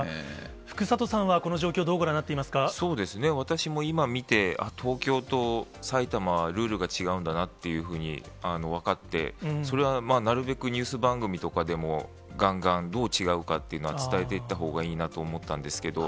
福里さんはこの状況、どうご覧にそうですね、私も今見て、東京と埼玉はルールが違うんだなっていうふうに分かって、それはなるべく、ニュース番組とかでもがんがんどう違うかっていうのは伝えていったほうがいいなと思ったんですけど。